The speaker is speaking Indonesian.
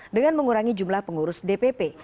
dengan mengurangi jumlah pengurus dpp